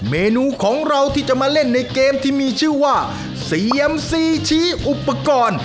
เมนูของเราที่จะมาเล่นในเกมที่มีชื่อว่าเซียมซีชี้อุปกรณ์